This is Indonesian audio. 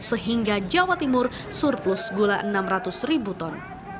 sehingga jawa timur surplus gula enam ratus ribu ton